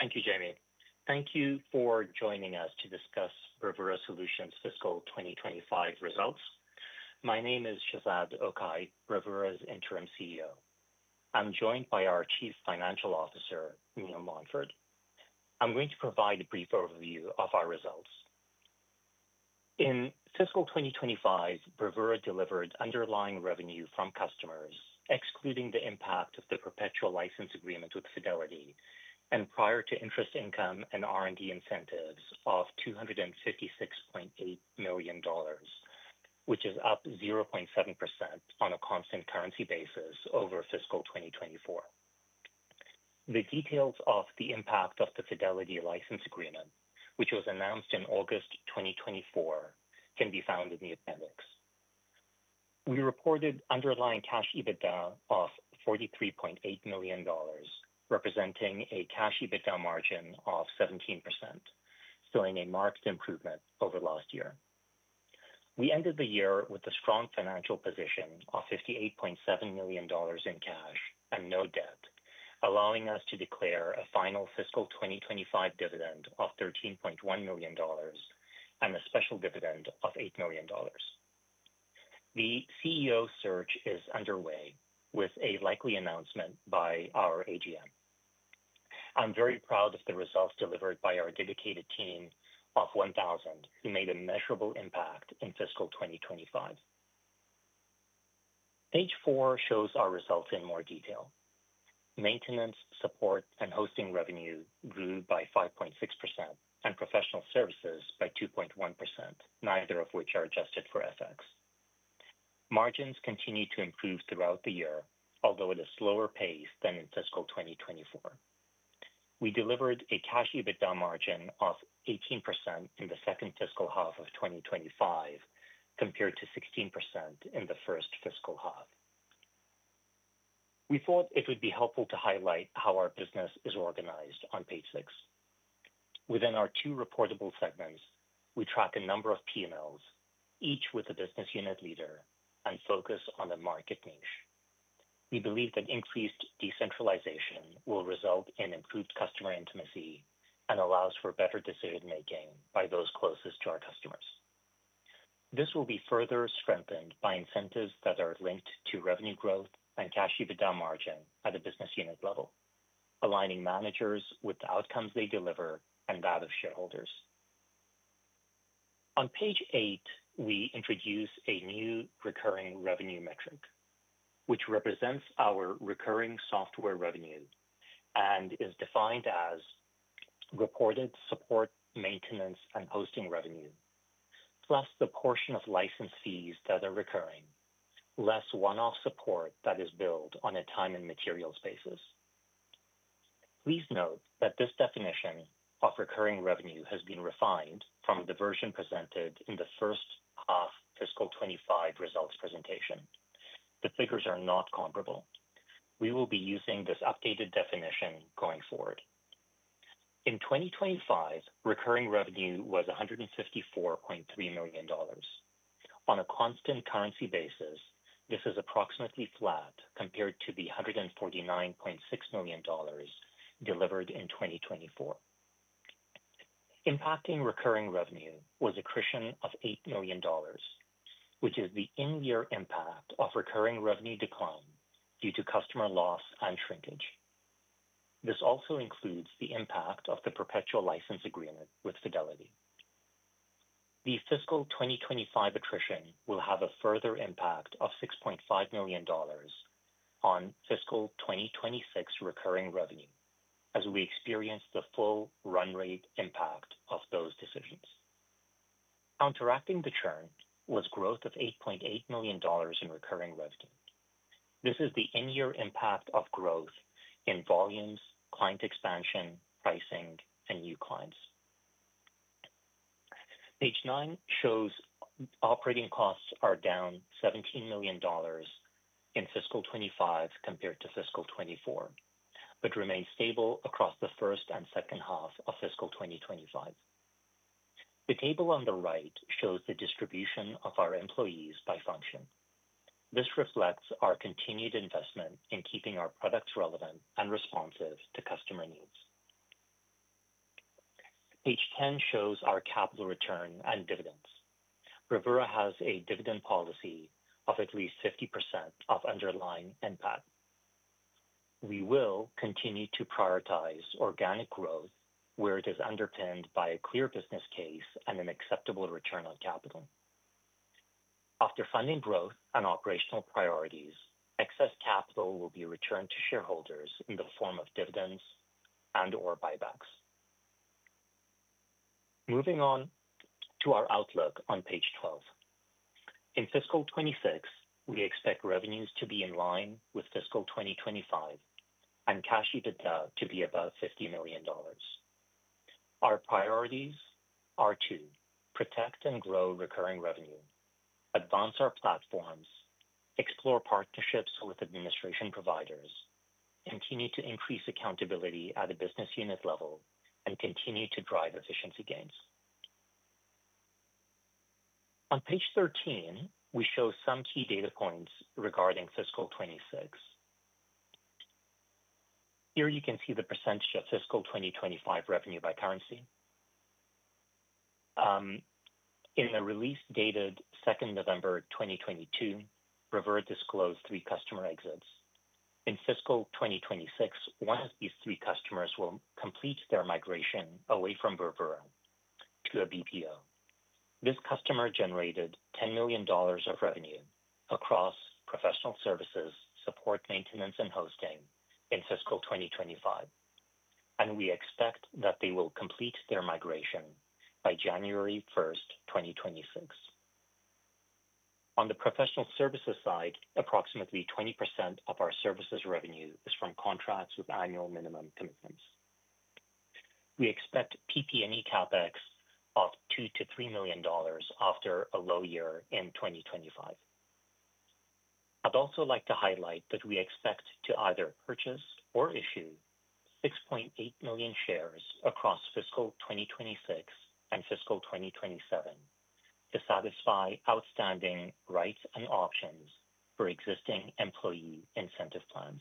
Thank you, Jamie. Thank you for joining us to discuss Bravura Solutions Ltd's fiscal 2025 results. My name is Shezad Okhai, Bravura's Interim CEO. I'm joined by our Chief Financial Officer, Neil Montford. I'm going to provide a brief overview of our results. In fiscal 2025, Bravura Solutions Ltd delivered underlying revenue from customers, excluding the impact of the perpetual license agreement with Fidelity, and prior to interest income and R&D incentives of 256.8 million dollars, which is up 0.7% on a constant currency basis over fiscal 2024. The details of the impact of the Fidelity license agreement, which was announced in August 2024, can be found in the appendix. We reported underlying cash EBITDA of 43.8 million dollars, representing a cash EBITDA margin of 17%, showing a marked improvement over last year. We ended the year with a strong financial position of 58.7 million dollars in cash and no debt, allowing us to declare a final fiscal 2025 dividend of 13.1 million dollars and a special dividend of 8 million dollars. The CEO search is underway, with a likely announcement by our AGM. I'm very proud of the results delivered by our dedicated team of 1,000, who made a measurable impact in fiscal 2025. Page four shows our results in more detail. Maintenance, support, and hosting revenue grew by 5.6%, and professional services by 2.1%, neither of whichise adjusted for FX. Margins continue to improve throughout the year, although at a slower pace than in fiscal 2024. We delivered a cash EBITDA margin of 18% in the second fiscal half of 2025, compared to 16% in the first fiscal half. We thought it would be helpful to highlight how our business is organized on page six. Within our two reportable segments, we track a number of P&Ls, each with a business unit leader, and focus on the market niche. We believe that increased decentralization will result in improved customer intimacy and allows for better decision-making by those closest to our customers. This will be further strengthened by incentives that are linked to revenue growth and cash EBITDA margin at the business unit level, aligning managers with the outcomes they deliver and that of shareholders. On page eight, we introduce a new recurring revenue metric, which represents our recurring software revenue and is defined as reported support, maintenance, and hosting revenue, plus the portion of license fees that are recurring, less one-off support that is billed on a time and materials basis. Please note that this definition of recurring revenue has been refined from the version presented in the first half fiscal 2025 results presentation. The figures are not comparable. We will be using this updated definition going forward. In 2025, recurring revenue was AUD 154.3 million. On a constant currency basis, this is approximately flat compared to the 149.6 million dollars delivered in 2024. Impacting recurring revenue was a cushion of 8 million dollars, which is the in-year impact of recurring revenue decline due to customer loss and shrinkage. This also includes the impact of the perpetual license agreement with Fidelity. The fiscal 2025 attrition will have a further impact of 6.5 million dollars on fiscal 2026 recurring revenue, as we experience the full run-rate impact of those decisions. Counteracting the churn was growth of 8.8 million dollars in recurring revenue. This is the in-year impact of growth in volumes, client expansion, pricing, and new clients. Page nine shows operating costs are down 17 million dollars in fiscal 2025 compared to fiscal 2024, but remain stable across the first and second half of fiscal 2025. The table on the right shows the distribution of our employees by function. This reflects our continued investment in keeping our products relevant and responsive to customer needs. Page 10 shows our capital return and dividends. Bravura has a dividend policy of at least 50% of underlying impact. We will continue to prioritize organic growth, where it is underpinned by a clear business case and an acceptable return on capital. After funding growth and operational priorities, excess capital will be returned to shareholders in the form of dividends and/or buybacks. Moving on to our outlook on page 12. In fiscal 2026, we expect revenues to be in line with fiscal 2025 and cash EBITDA to be above 50 million dollars. Our priorities are to protect and grow recurring revenue, advance our platforms, explore partnerships with administration providers, continue to increase accountability at the business unit level, and continue to drive efficiency gains. On page 13, we show some key data points regarding fiscal 2026. Here, you can see the percentage of fiscal 2025 revenue by currency. In the release dated November 2nd, 2022, Bravura disclosed three customer exits. In fiscal 2026, one of these three customers will complete their migration away from Bravura to a BPO. This customer generated 10 million dollars of revenue across professional services, support, maintenance, and hosting in fiscal 2025, and we expect that they will complete their migration by January 1st, 2026. On the professional services side, approximately 20% of our services revenue is from contracts with annual minimum commitments. We expect PP&E CapEx of 2 million-3 million dollars after a low year in 2025. I'd also like to highlight that we expect to either purchase or issue 6.8 million shares across fiscal 2026 and fiscal 2027 to satisfy outstanding rights and options for existing employee incentive plans.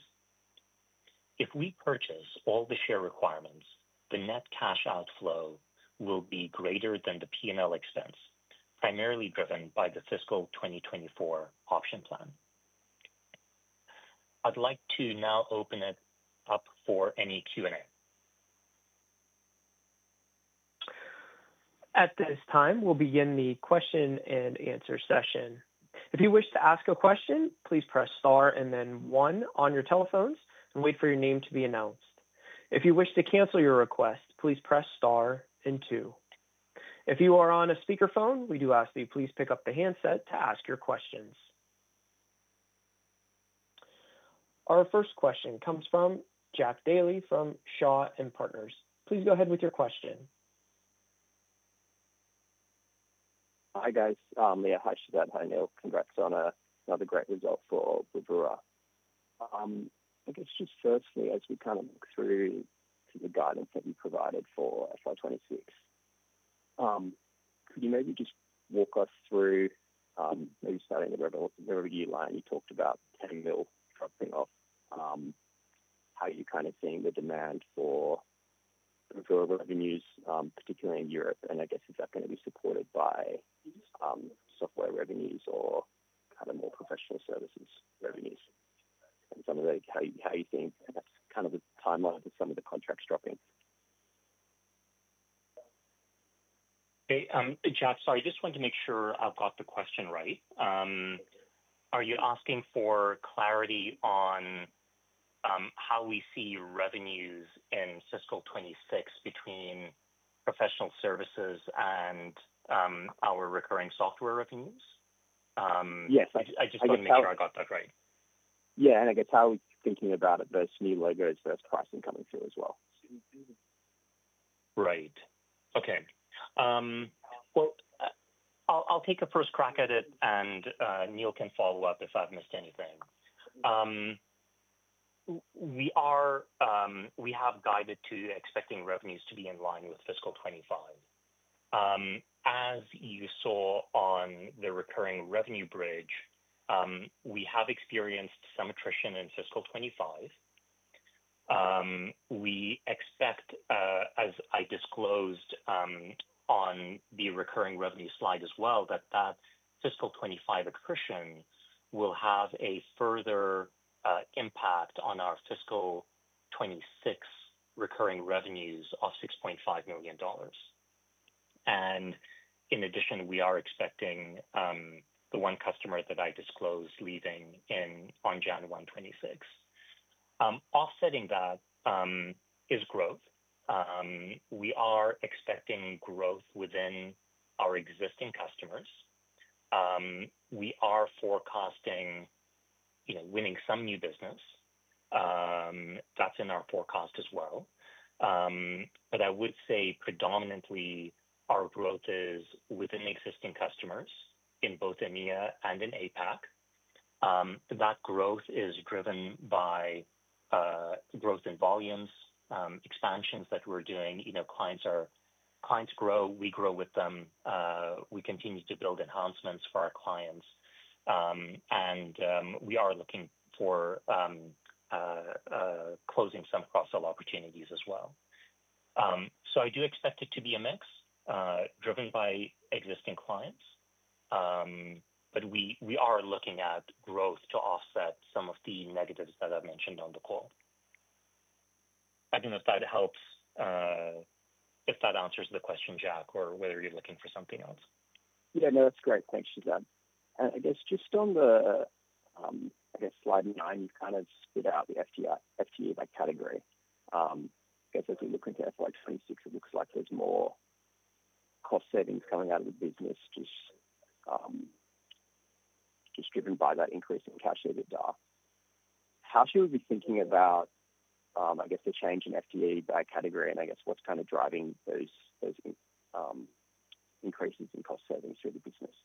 If we purchase all the share requirements, the net cash outflow will be greater than the P&L expense, primarily driven by the fiscal 2024 option plan. I'd like to now open it up for any Q&A. At this time, we'll begin the question and answer session. If you wish to ask a question, please press star and then one on your telephones and wait for your name to be announced. If you wish to cancel your request, please press star and two. If you are on a speakerphone, we do ask that you please pick up the handset to ask your questions. Our first question comes from Jack Daly from Shaw and Partners. Please go ahead with your question. Hi guys. Yeah, hi Shezad, hi Neil. Congrats on another great result for Bravura. I guess just firstly, as we kind of look through the guidance that you provided for FY 2026, could you maybe just walk us through, maybe starting the revenue line you talked about, AUD 10 million something off, how you're kind of seeing the demand for revenues, particularly in Europe, and I guess is that going to be supported by software revenues or kind of more professional services revenues? Something like how you think, and that's kind of the timeline for some of the contracts dropping. Hey Jack, sorry, just wanted to make sure I've got the question right. Are you asking for clarity on how we see revenues in fiscal 2026 between professional services and our recurring software revenues? I just wanted to make sure I got that right. Yeah, I guess how are we thinking about it versus new logos versus pricing coming through as well? Right. Okay. I'll take a first crack at it, and Neil can follow up if I've missed anything. We have guided to expecting revenues to be in line with fiscal 2025. As you saw on the recurring revenue bridge, we have experienced some attrition in fiscal 2025. We expect, as I disclosed on the recurring revenue slide as well, that fiscal 2025 attrition will have a further impact on our fiscal 2026 recurring revenues of 6.5 million dollars. In addition, we are expecting the one customer that I disclosed leaving on January 1, 2026. Offsetting that is growth. We are expecting growth within our existing customers. We are forecasting winning some new business; that's in our forecast as well. I would say predominantly, our growth is within existing customers in both EMEA and in APAC. That growth is driven by growth in volumes, expansions that we're doing. Clients grow, we grow with them. We continue to build enhancements for our clients, and we are looking for closing some cross-sell opportunities as well. I do expect it to be a mix, driven by existing clients, but we are looking at growth to offset some of the negatives that I mentioned on the call. I don't know if that helps, if that answers the question, Jack, or whether you're looking for something else. Yeah. No, that's great. Thanks, Shezad. Just on slide nine, you kind of spit out the FTE by category. As we look into FY 2026, it looks like there's more cost savings coming out of the business, just driven by that increase in cash EBITDA. How should we be thinking about the change in FTE by category and what's kind of driving those increases in cost savings through the business?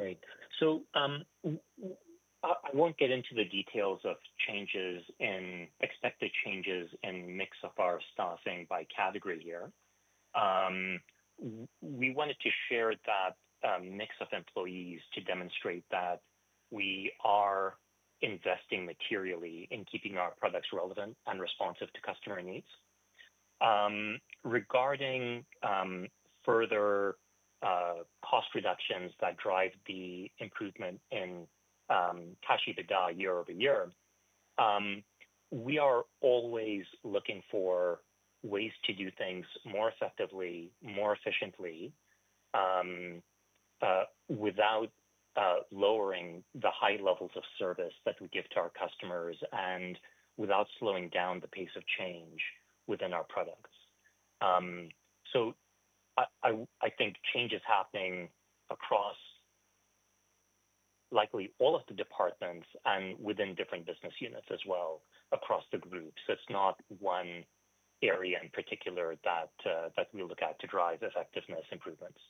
Right. I won't get into the details of expected changes in the mix of our staffing by category here. We wanted to share that mix of employees to demonstrate that we are investing materially in keeping our products relevant and responsive to customer needs. Regarding further cost reductions that drive the improvement in cash EBITDA year-over-year, we are always looking for ways to do things more effectively, more efficiently, without lowering the high levels of service that we give to our customers and without slowing down the pace of change within our products. I think change is happening across likely all of the departments and within different business units as well, across the groups. It's not one area in particular that we look at to drive effectiveness improvements.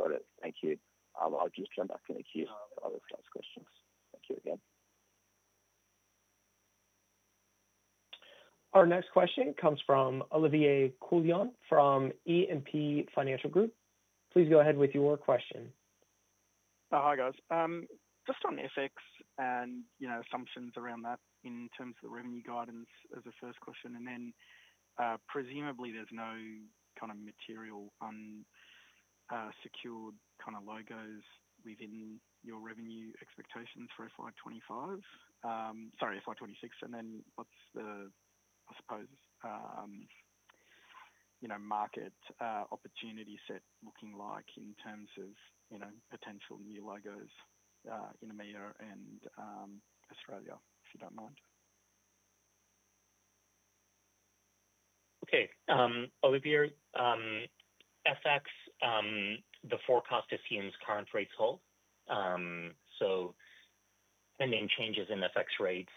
Got it. Thank you. I'll just jump back in a few to answer those questions. Thank you again. Our next question comes from Olivier Coulon from E&P Financial Group. Please go ahead with your question. Hi, guys. Just on the FX and assumptions around that in terms of the revenue guidance as a first question. Presumably, there's no kind of material unsecured kind of logos within your revenue expectations for FY 2025, sorry, FY 2026. What's the, I suppose, market opportunity set looking like in terms of potential new logos in EMEA and Australia, if you don't mind? Okay. Olivier, FX, the forecast assumes current rates hold. Pending changes in FX rates,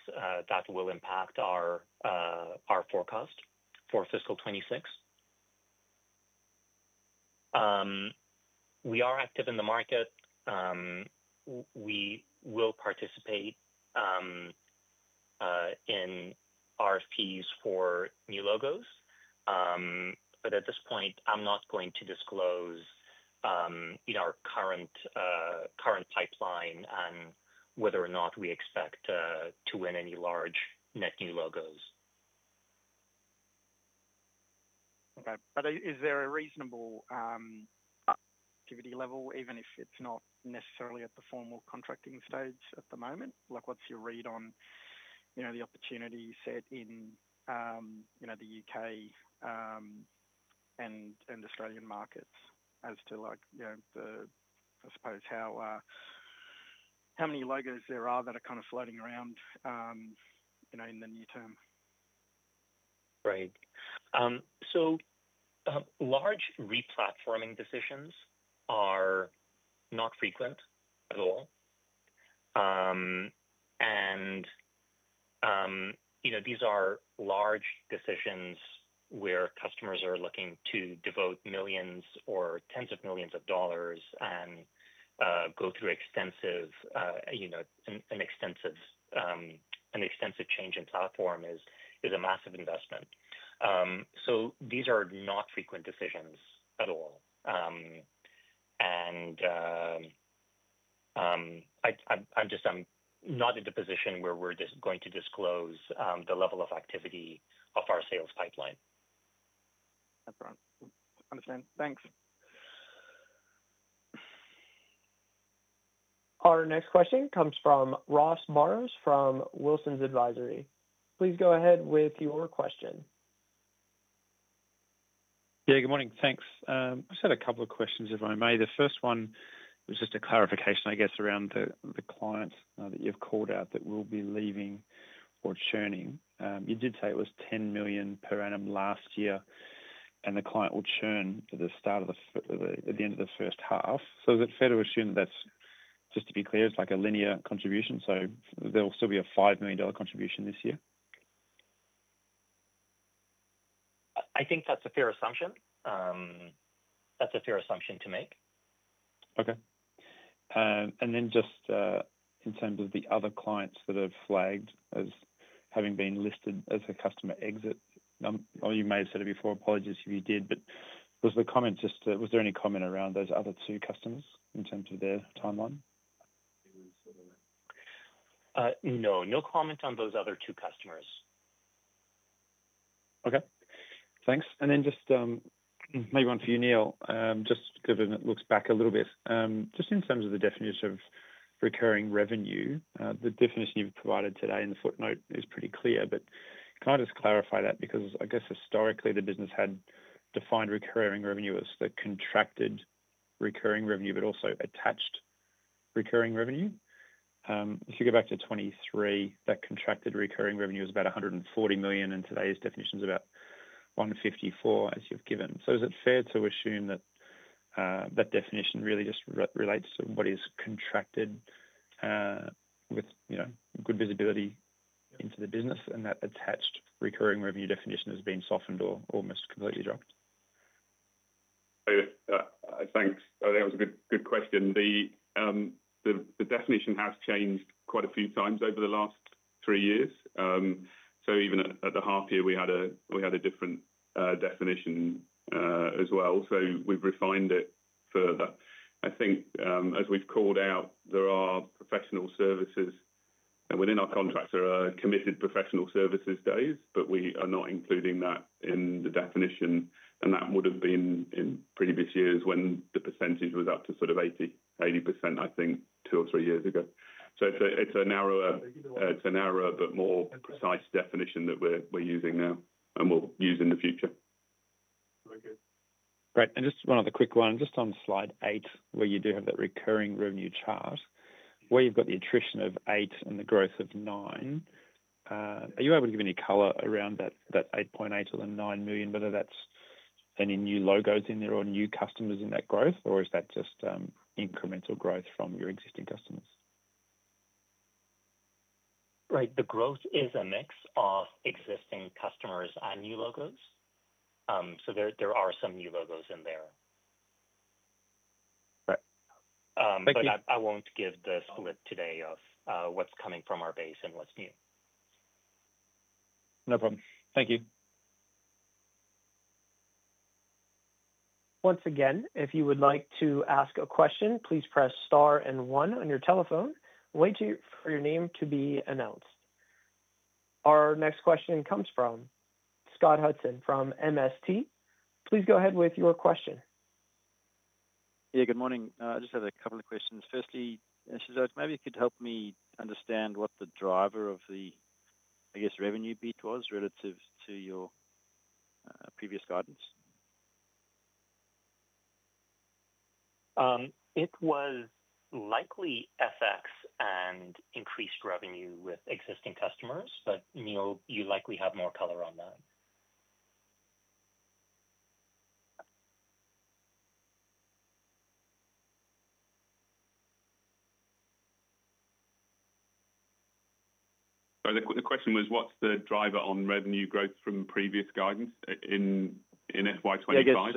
that will impact our forecast for fiscal 2026. We are active in the market. We will participate in RFPs for new logos. At this point, I'm not going to disclose our current pipeline and whether or not we expect to win any large net new logos. Is there a reasonable activity level, even if it's not necessarily at the formal contracting stage at the moment? What's your read on the opportunity set in the U.K. and Australian markets as to how many logos there are that are kind of floating around in the near term? Right. Large replatforming decisions are not frequent at all. These are large decisions where customers are looking to devote millions or tens of millions of dollars and go through extensive, you know, an extensive change in platform is a massive investment. These are not frequent decisions at all. I'm just not in the position where we're just going to disclose the level of activity of our sales pipeline. That's right. Understand. Thanks. Our next question comes from Ross Barrows from Wilsons Advisory. Please go ahead with your question. Yeah, good morning. Thanks. I just had a couple of questions, if I may. The first one was just a clarification, I guess, around the clients that you've called out that will be leaving or churning. You did say it was 10 million per annum last year, and the client will churn at the end of the first half. Is it fair to assume that that's, just to be clear, it's like a linear contribution? There will still be a 5 million dollar contribution this year? I think that's a fair assumption. That's a fair assumption to make. Okay. In terms of the other clients that have flagged as having been listed as a customer exit, or you may have said it before, apologies if you did, was there any comment around those other two customers in terms of their timeline? No, no comment on those other two customers. Okay. Thanks. Maybe one for you, Neil, just given it looks back a little bit. In terms of the definition of recurring revenue, the definition you've provided today in the footnote is pretty clear, but can I just clarify that? I guess historically, the business had defined recurring revenue as the contracted recurring revenue, but also attached recurring revenue. If you go back to 2023, that contracted recurring revenue was about 140 million, and today's definition is about 154 million, as you've given. Is it fair to assume that that definition really just relates to what is contracted with, you know, good visibility into the business, and that attached recurring revenue definition has been softened or almost completely dropped? Thanks. I think that was a good question. The definition has changed quite a few times over the last three years. Even at the half year, we had a different definition as well. We've refined it further. I think, as we've called out, there are professional services, and within our contracts, there are committed professional services days, but we are not including that in the definition. That would have been in previous years when the percentage was up to sort of 80%, I think, two or three years ago. It's a narrower, it's a bit more precise definition that we're using now and we'll use in the future. Okay. Great. Just one other quick one, on slide eight, where you do have that recurring revenue chart, where you've got the attrition of 8 million and the growth of 9 million. Are you able to give any color around that 8.8 million or the 9 million, whether that's any new logos in there or new customers in that growth, or is that just incremental growth from your existing customers? Right. The growth is a mix of existing customers and new logos. There are some new logos in there. Right. I won't give the split today of what's coming from our base and what's new. No problem. Thank you. Once again, if you would like to ask a question, please press star and one on your telephone, waiting for your name to be announced. Our next question comes from Scott Hudson from MST. Please go ahead with your question. Good morning. I just have a couple of questions. Firstly, Shezad, maybe you could help me understand what the driver of the, I guess, revenue beat was relative to your previous guidance. It was likely FX and increased revenue with existing customers, but Neil, you likely have more color on that. The question was, what's the driver on revenue growth from previous guidance in FY 2025?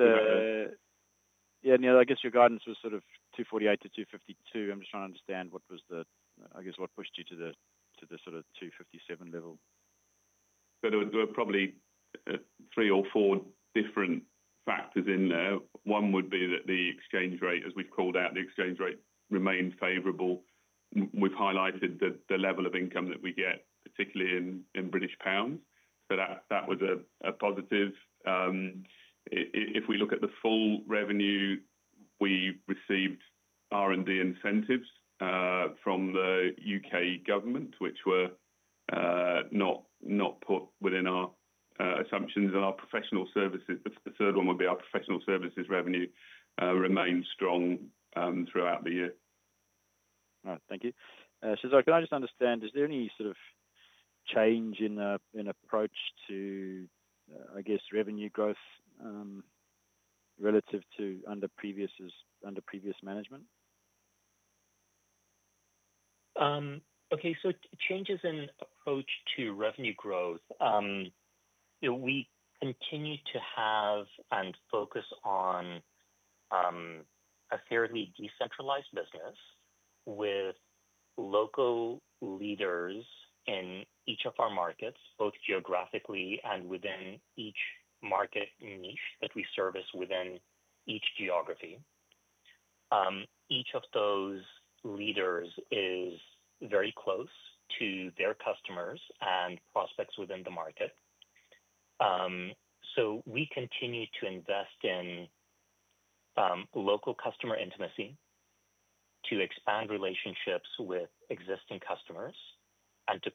Yeah, Neil, I guess your guidance was sort of 248 million-252 million. I'm just trying to understand what was the, I guess, what pushed you to the sort of 257 million level. There were probably three or four different factors in there. One would be that the exchange rate, as we've called out, remains favorable. We've highlighted the level of income that we get, particularly in British pounds. That was a positive. If we look at the full revenue, we received R&D incentives from the U.K. government, which were not put within our assumptions. Our professional services revenue, the third one, remained strong throughout the year. All right. Thank you. Shezad, can I just understand, is there any sort of change in approach to, I guess, revenue growth relative to under previous management? Okay. Changes in approach to revenue growth. We continue to have and focus on a fairly decentralized business with local leaders in each of our markets, both geographically and within each market niche that we service within each geography. Each of those leaders is very close to their customers and prospects within the market. We continue to invest in local customer intimacy to expand relationships with existing customers and to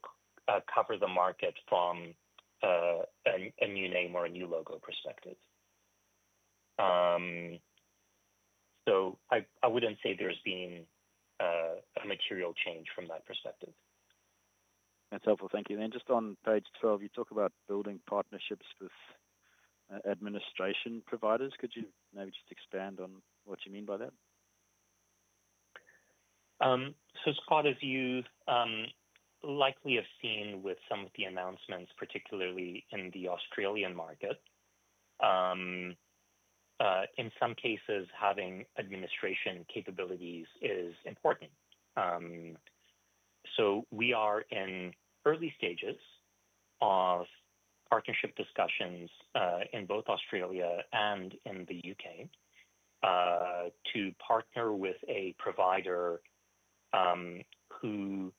cover the market from a new name or a new logo perspective. I wouldn't say there's been a material change from that perspective. That's helpful. Thank you. On page 12, you talk about building partnerships with administration providers. Could you maybe just expand on what you mean by that? As part of you likely have seen with some of the announcements, particularly in the Australian market, in some cases, having administration capabilities is important. We are in early stages of partnership discussions in both Australia and in the U.K. to partner with a provider who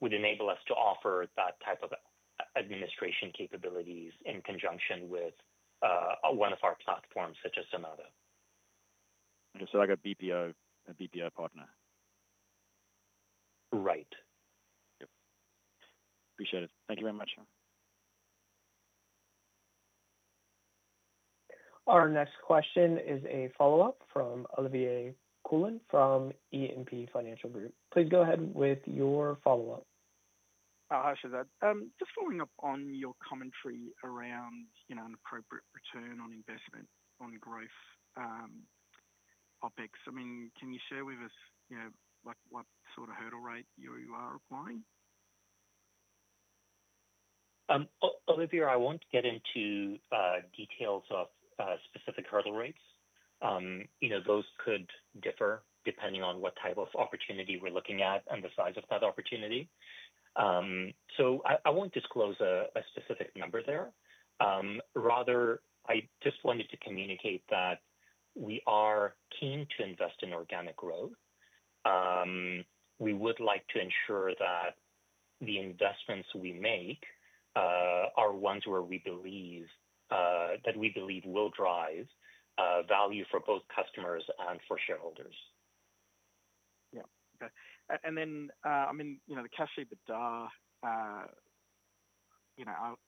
would enable us to offer that type of administration capabilities in conjunction with one of our platforms, such as Sonata. Like a BPO partner? Right. Yep, appreciate it. Thank you very much. Our next question is a follow-up from Olivier Coulon from E&P Financial Group. Please go ahead with your follow-up. Hi, Shezad. Just following up on your commentary around, you know, an appropriate return on investment on growth topics. Can you share with us, you know, like what sort of hurdle rate you are requiring? Olivier, I won't get into details of specific hurdle rates. You know, those could differ depending on what type of opportunity we're looking at and the size of that opportunity. I won't disclose a specific number there. Rather, I just wanted to communicate that we are keen to invest in organic growth. We would like to ensure that the investments we make are ones where we believe will drive value for both customers and for shareholders. Okay. The cash EBITDA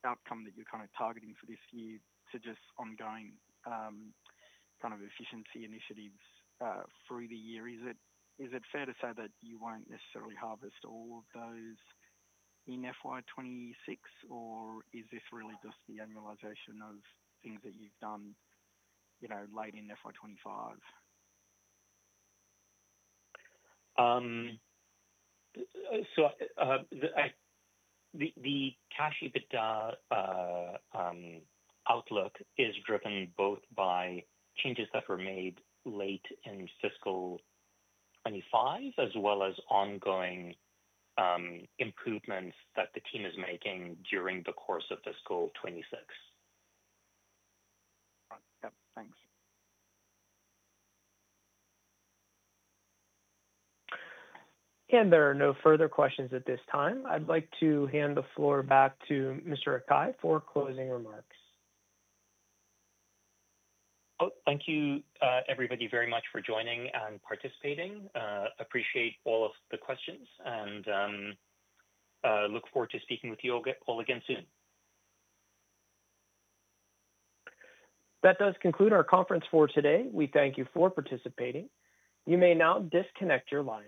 outcome that you're kind of targeting for this year suggests ongoing kind of efficiency initiatives through the year. Is it fair to say that you won't necessarily harvest all of those in FY 2026, or is this really just the annualization of things that you've done late in FY 2025? The cash EBITDA outlook is driven both by changes that were made late in fiscal 2025, as well as ongoing improvements that the team is making during the course of fiscal 2026. Yep. Thanks. There are no further questions at this time. I'd like to hand the floor back to Mr. Okhai for closing remarks. Thank you, everybody, very much for joining and participating. Appreciate all of the questions, and look forward to speaking with you all again soon. That does conclude our conference for today. We thank you for participating. You may now disconnect your line.